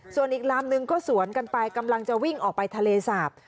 ส่วนอีกลำนึงก็สวนกันไปกำลังจะวิ่งออกไปทะเลสาบ